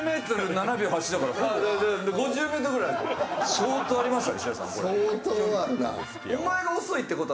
相当ありますね。